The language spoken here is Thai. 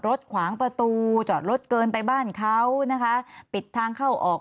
ขวางประตูจอดรถเกินไปบ้านเขานะคะปิดทางเข้าออก